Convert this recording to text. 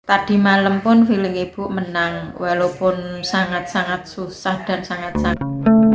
tadi malam pun feeling ibu menang walaupun sangat sangat susah dan sangat sangat